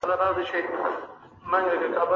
د خوړو کیفیت د زراعت له کیفیت سره مستقیم تړاو لري.